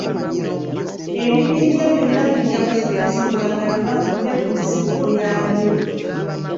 Ebibinja byonna bijja kusomesebwa nga tebafudde ku nsibuko yaabyo.